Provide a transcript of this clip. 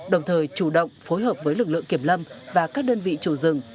đồng thời chủ động phối hợp với lực lượng kiểm lâm và các đơn vị chủ rừng